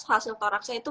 hasil toraksnya itu